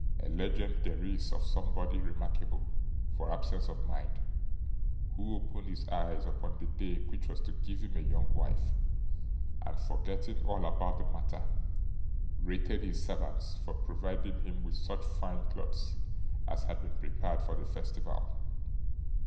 A legend there is of somebody remarkable for absence of mind, who opened his eyes upon the day which was to give him a young wife, and forgetting all about the matter, rated his servants for providing him with such fine clothes as had been prepared for the festival.